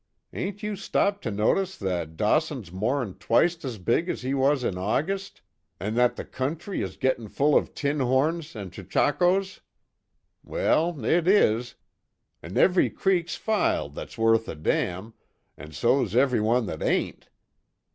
Ain't you stopped to notice that Dawson's more'n twict as big as she was in August, an' that the country is gittin full of tin horns, an' chechakos. Well it is an' every creek's filed that's worth a damn an' so's every one that ain't.